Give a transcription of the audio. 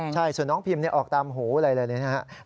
ใช่ส่วนน้องพิมออกตามหูอะไรเลยนะครับ